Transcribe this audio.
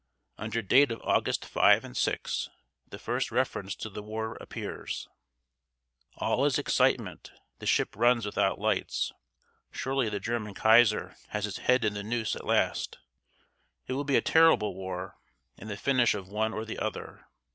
Under date of August 5 6 the first reference to the war appears: "All is excitement; the ship runs without lights. Surely the German kaiser has his head in the noose at last: it will be a terrible war, and the finish of one or the other.